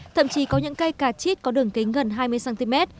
thậm chí có những cây cà chít có đường kính gần hai mươi cm